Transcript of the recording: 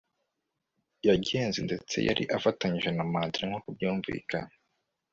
yagenze ndetse yari afatanyije na Mandela nkuko byumvikanye